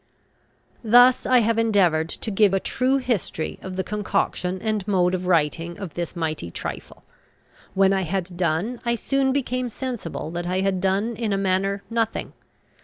Thus I have endeavoured to give a true history of the concoction and mode of writing of this mighty trifle. When I had done, I soon became sensible that I had done in a manner nothing.